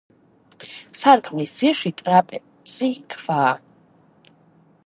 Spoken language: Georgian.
სარკმლის ძირში ტრაპეზის ქვაა.